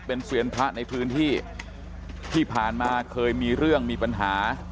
เป็นเซียนพระในพื้นที่ที่ผ่านมาเคยมีเรื่องมีปัญหา